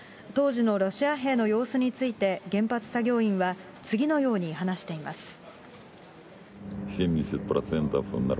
当時のロシア兵の様子について、原発作業員は次のように話しています。